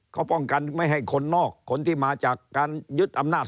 เขาป้องกันไม่ให้คนนอกคนที่มาจากการยึดอำนาจ